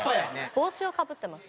帽子をかぶってます。